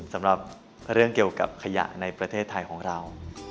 สำหรับเรื่องเกี่ยวกับขยะในประเทศไทยของเรา